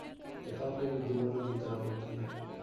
کتابیں بھی دلہنوں کی طرح ہوتی ہیں۔